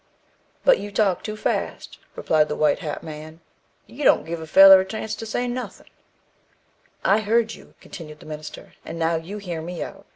"But you talk too fast," replied the white hat man. "You don't give a feller a chance to say nothin'." "I heard you," continued the minister, "and now you hear me out.